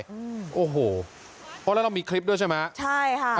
อืมโอ้โหเพราะแล้วเรามีคลิปด้วยใช่ไหมใช่ค่ะ